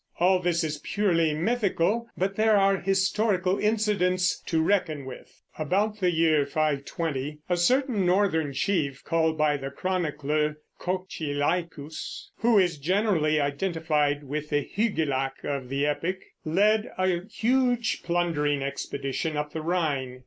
All this is purely mythical; but there are historical incidents to reckon with. About the year 520 a certain northern chief, called by the chronicler Chochilaicus (who is generally identified with the Hygelac of the epic), led a huge plundering expedition up the Rhine.